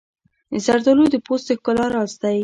زردالو د پوست د ښکلا راز دی.